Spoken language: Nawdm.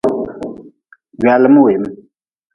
Gwaalim weem.